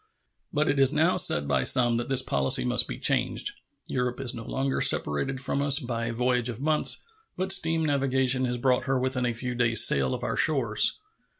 But it is now said by some that this policy must be changed. Europe is no longer separated from us by a voyage of months, but steam navigation has brought her within a few days' sail of our shores.